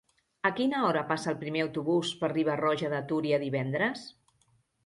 A quina hora passa el primer autobús per Riba-roja de Túria divendres?